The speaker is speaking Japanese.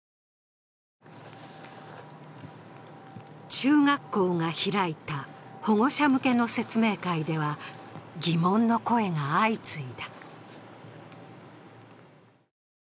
中学校が開いた保護者向けの説明会では、疑問の声が相次いだ。